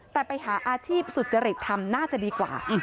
แต่ไปหาอาชีพสุจริตทำน่าจะดีกว่า